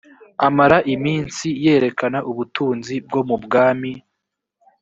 amara iminsi yerekana ubutunzi bwo mu bwami